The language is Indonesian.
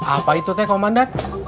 apa itu teh komandan